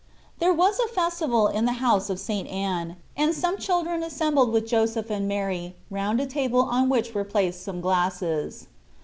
There was a festival in the house of St. Anne, and some children assembled wijh Joseph and Mary round a table on which were placed some glasses.